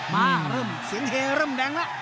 มาเริ่มเสียงเฮเริ่มแดงแล้ว